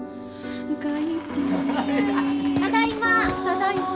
ただいま！